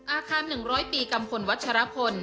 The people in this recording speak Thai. อาคาร๑๐๐ปีกัมพลวัชรพล